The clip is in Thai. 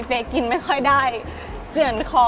กินไม่ค่อยได้เจือนคอ